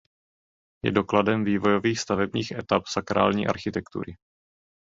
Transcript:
Je dokladem vývojových stavebních etap sakrální architektury.